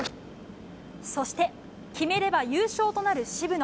そして、決めれば優勝となる渋野。